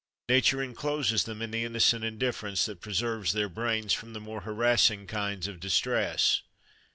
Nature encloses them in the innocent indifference that preserves their brains from the more harassing kinds of distress.